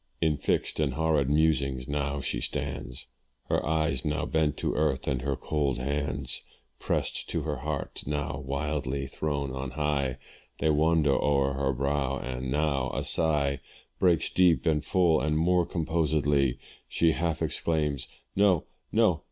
In fixed and horrid musings now she stands, Her eyes now bent to earth, and her cold hands, Prest to her heart, now wildly thrown on high, They wander o'er her brow and now a sigh Breaks deep and full and, more composedly, She half exclaims "No! no!